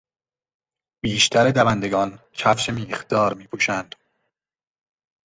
بیشتر دوندگان کفش میخدار میپوشند.